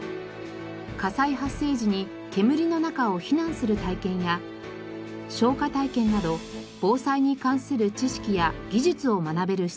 火災発生時に煙の中を避難する体験や消火体験など防災に関する知識や技術を学べる施設です。